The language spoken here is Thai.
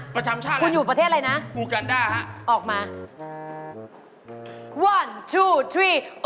ประจำชาติอะไรอูกันดาครับออกมาคุณอยู่ประเทศอะไรนะ